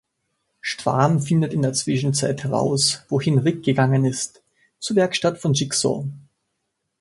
Strahm findet in der Zwischenzeit heraus, wohin Rigg gegangen ist: zur Werkstatt von Jigsaw.